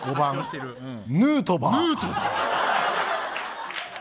５番、ヌートバー。